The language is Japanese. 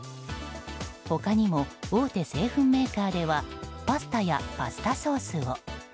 他にも大手製粉メーカーではパスタやパスタソースを。